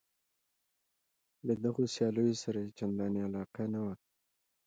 له دغو سیالیو سره یې چندانې علاقه نه وه.